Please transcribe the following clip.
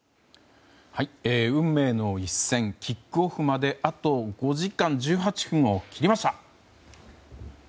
運命の一戦キックオフまであと５時間１８分を切りました。